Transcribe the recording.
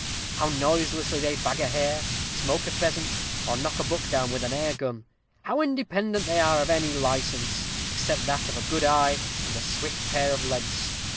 how noiselessly they bag a hare, smoke a pheasant, or knock a buck down with an air gun! how independent are they of any license, except that of a good eye, and a swift pair of legs!